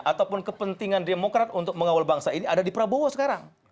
ataupun kepentingan demokrat untuk mengawal bangsa ini ada di prabowo sekarang